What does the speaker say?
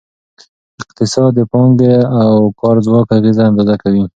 اقتصاد د پانګې او کار ځواک اغیزه اندازه کوي.